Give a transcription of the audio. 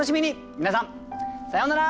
皆さんさようなら。